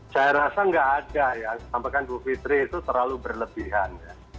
saya rasa nggak ada ya sampaikan bu fitri itu terlalu berlebihan